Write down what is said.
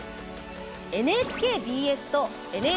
ＮＨＫＢＳとＮＨＫＢＳ